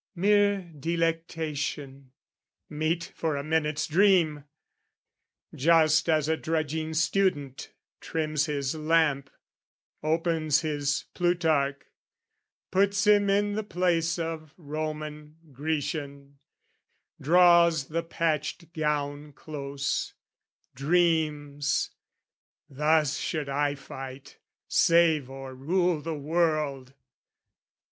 Mere delectation, meet for a minute's dream! Just as a drudging student trims his lamp, Opens his Plutarch, puts him in the place Of Roman, Grecian; draws the patched gown close, Dreams, "Thus should I fight, save or rule the world!"